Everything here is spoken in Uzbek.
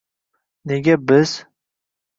Nega biz —